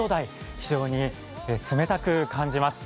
非常に冷たく感じます。